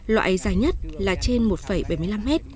loại dài nhất là trên một bảy mươi năm mét